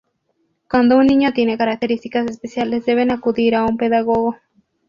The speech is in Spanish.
Cuando un niño tiene características especiales, deben acudir a un pedagogo.